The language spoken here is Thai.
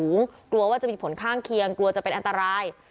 กลัวว่าจะมีผลข้างเคียงกลัวจะเป็นอันตราย